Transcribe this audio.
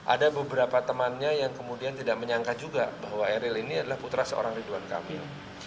ada beberapa temannya yang kemudian tidak menyangka juga bahwa eril ini adalah putra seorang ridwan kamil